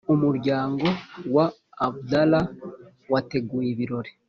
umuryango wa abdallah wateguye ibirori